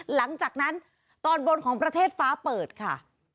หลังจากนั้นตอนบนของประเทศฟ้าเปิดค่ะ